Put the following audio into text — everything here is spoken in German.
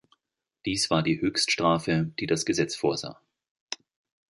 Dies war die Höchststrafe, die das Gesetz vorsah.